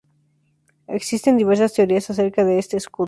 Existen diversas teorías acerca de este escudo.